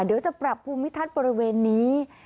เดี๋ยวจะปรับภูมิทัศน์บริเวณนี้